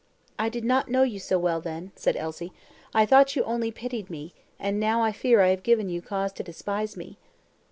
"I did not know you so well then," said Elsie. "I thought you only pitied me; and now I fear I have given you cause to despise me."